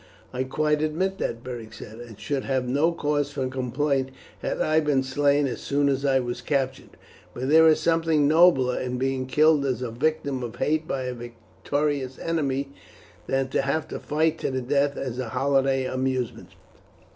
"I quite admit that," Beric said; "and should have had no cause for complaint had I been slain as soon as I was captured. But there is something nobler in being killed as a victim of hate by a victorious enemy than to have to fight to the death as a holiday amusement."